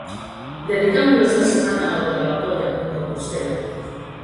Dedicámolo esta semana ao de Lavacolla, en Compostela.